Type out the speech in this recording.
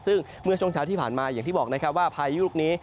ซึ่งเมื่อช่วงเช้าที่ผ่านมาอย่างที่บอกนะครับว่าพายุลูกนี้